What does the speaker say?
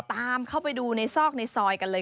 ตามเข้าไปดูในซอกในซอยกันเลย